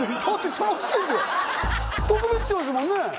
その時点では特別賞ですもんね